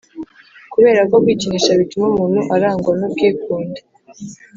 Kubera ko kwikinisha bituma umuntu arangwa n ubwikunde